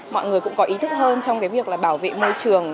mọi người cũng có ý thức hơn trong việc bảo vệ môi trường